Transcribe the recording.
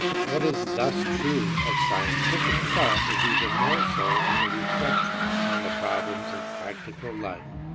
What is thus true of scientific thought is even more so in the reflections on the problems of practical life.